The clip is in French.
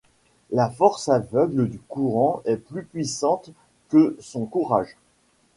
La force aveugle du courant est plus puissante que son courage.